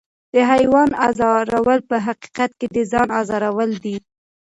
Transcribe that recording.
د حیوان ازارول په حقیقت کې د ځان ازارول دي.